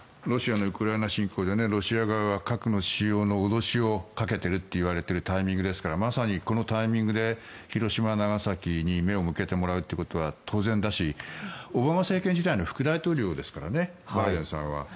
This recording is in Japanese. ロシアのウクライナ侵攻でロシア側は核の使用の脅しをかけているといわれているタイミングですからまさにこのタイミングで広島、長崎に目を向けてもらうということは当然だしオバマ政権時代の副大統領ですからねバイデンさんは。